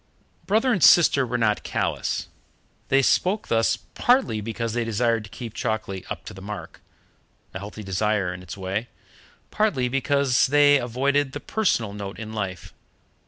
Brother and sister were not callous. They spoke thus, partly because they desired to keep Chalkeley up to the mark a healthy desire in its way partly because they avoided the personal note in life.